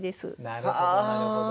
なるほどなるほど。